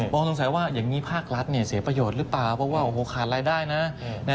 องสงสัยว่าอย่างนี้ภาครัฐเสียประโยชน์หรือเปล่าเพราะว่าโอ้โหขาดรายได้นะ